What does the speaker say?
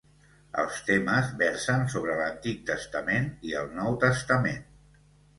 Els temes versen sobre l'Antic Testament i el Nou Testament.